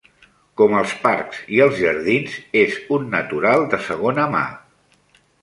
Com els parcs i els jardins, és un natural de segona mà.